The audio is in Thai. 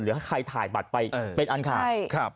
ให้ใครถ่ายบัตรไปเป็นอันขาด